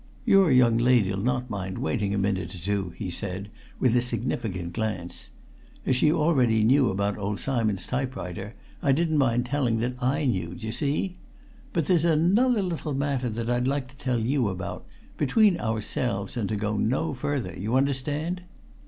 "Your young lady'll not mind waiting a minute or two," he said, with a significant glance. "As she already knew about old Simon's typewriter, I didn't mind telling that I knew, d'ye see? But there's another little matter that I'd like to tell you about between ourselves, and to go no further, you understand?"